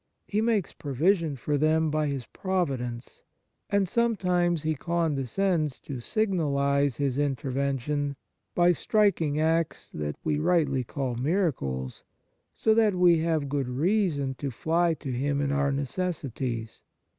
He makes pro vision for them by His providence ; and sometimes He condescends to signalize His intervention by striking acts that we rightly call miracles, so that we have good reason to fly to Him in our necessities.